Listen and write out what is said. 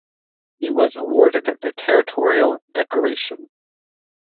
He was awarded the Territorial Decoration.